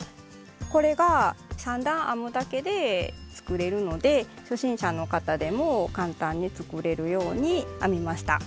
これが３段編むだけで作れるので初心者の方でも簡単に作れるように編みました。